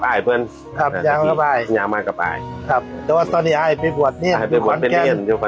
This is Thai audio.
กลัวสินัยภาษาสุดยอด